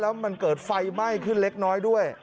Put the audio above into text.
แล้วมันเกิดไฟไหม้ขึ้นเล็กน้อยด้วย